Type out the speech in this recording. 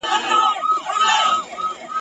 ښکاري کله وي په غم کي د مرغانو !.